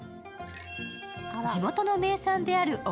地元の名産である奥